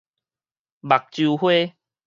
目睭花